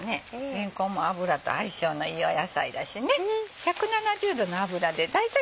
れんこんも油と相性のいい野菜だしね。